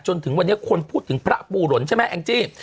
จนถึงวันนี้คนพูดถึงพระปูหล่นใช่ไหมแองจี้